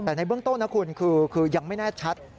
แต่ในเบื้องต้นนะคุณคือยังไม่แน่ชัด